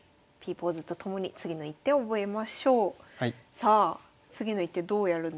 さあ次の一手どうやるんでしょうか。